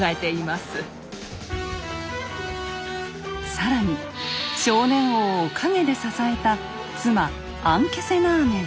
更に少年王を陰で支えた妻・アンケセナーメン。